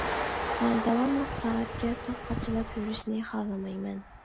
مەن داۋاملىق سائەتكە توك قاچىلاپ يۈرۈشنى خالىمايمەن.